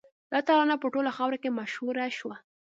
دا ترانه په ټوله خاوره کې مشهوره شوه